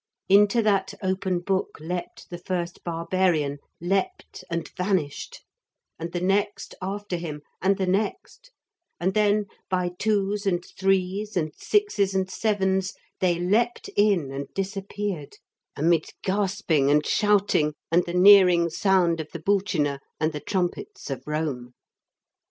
Into that open book leapt the first barbarian, leapt and vanished, and the next after him and the next, and then, by twos and threes and sixes and sevens, they leapt in and disappeared, amid gasping and shouting and the nearing sound of the bucina and of the trumpets of Rome.